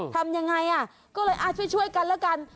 ทำยังไงก็เลยอาจไปช่วยกันแล้วกัน